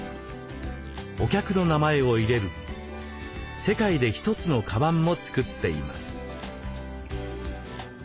お客の名前を入れる世界で一つのカバンも作っています。